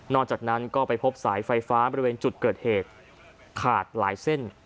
จากนั้นก็ไปพบสายไฟฟ้าบริเวณจุดเกิดเหตุขาดหลายเส้น